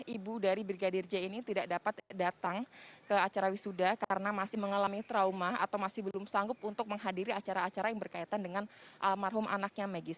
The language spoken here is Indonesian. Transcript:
ibu dari brigadir j ini tidak dapat datang ke acara wisuda karena masih mengalami trauma atau masih belum sanggup untuk menghadiri acara acara yang berkaitan dengan almarhum anaknya maggie